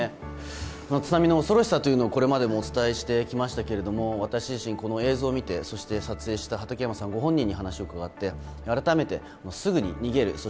津波の恐ろしさをこれまでもお伝えしてきましたけれども私自身、この映像を見てそして撮影した畠山さんご本人に話を伺って改めてすぐに逃げる